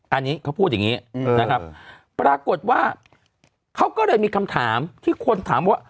อันนี้เขาพูดอย่างนี้นะครับปรากฏว่าเขาก็เลยมีคำถามที่คนถามว่า